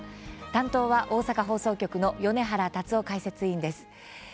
担当は大阪放送局の米原達生解説委員です。